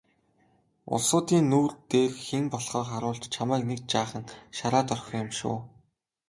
Улсуудын нүүр дээр хэн болохоо харуулж чамайг нэг жаахан шараад орхих юм шүү.